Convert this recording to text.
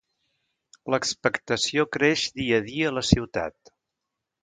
L'expectació creix dia a dia a la ciutat.